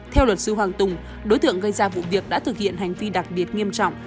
theo luật sư hoàng tùng đối tượng gây ra vụ việc đã thực hiện hành vi đặc biệt nghiêm trọng